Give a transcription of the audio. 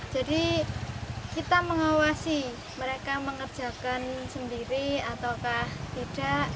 jadi kita mengawasi mereka mengerjakan sendiri ataukah tidak